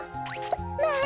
まあ！